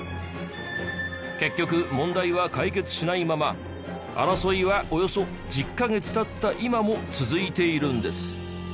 結局問題は解決しないまま争いはおよそ１０カ月経った今も続いているんです。